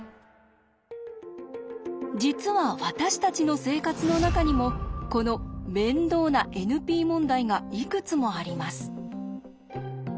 実は私たちの生活の中にもこの面倒なＮＰ問題がいくつもあります。